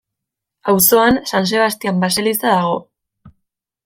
Auzoan San Sebastian baseliza dago.